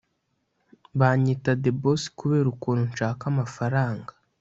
banyita the boss kubera ukuntu nshaka amafaranga.